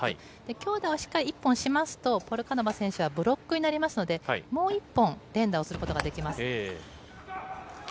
強打をしっかり１本しますと、ポルカノバ選手はブロックになりますので、もう１本、連打をすることができます。